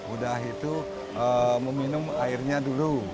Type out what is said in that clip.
udah itu meminum airnya dulu